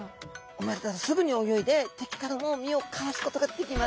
産まれたらすぐに泳いで敵からも身をかわすことができます。